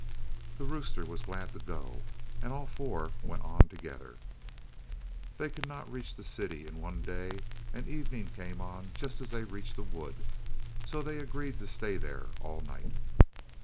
The rooster was glad to go, and all four went on together. They could not reach the city in one day, and evening came on just as they reached a wood, so they agreed to stay there all night.